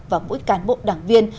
và mỗi cán bộ đảng viên